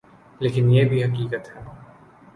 لیکن یہ بھی حقیقت ہے۔